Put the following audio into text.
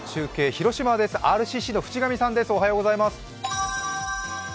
広島です、ＲＣＣの渕上さんです。